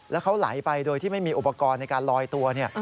แล้วเขาไหลไปโดยที่ไม่มีอุปกรณ์ในการลอยตัว